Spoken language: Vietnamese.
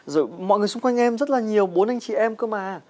rồi mọi người xung quanh em rất là nhiều bốn anh chị em cơ mà à